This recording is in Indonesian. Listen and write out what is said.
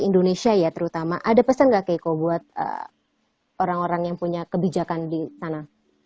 indonesia ya terutama ada pesan nggak keiko buat orang orang yang punya kebijakan di sana